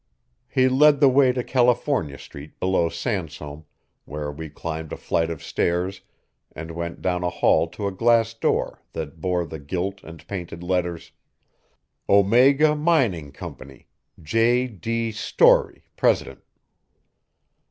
He led the way to California Street below Sansome, where we climbed a flight of stairs and went down a hall to a glass door that bore the gilt and painted letters, "Omega Mining Co., J. D. Storey, Pres't."